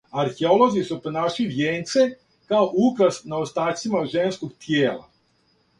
Археолози су пронашли вијенце као украс на остацима женских тијела.